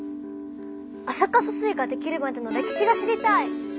安積疏水ができるまでの歴史が知りたい！